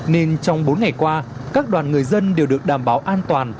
nên trong bốn ngày qua các đoàn người dân đều được đảm bảo an toàn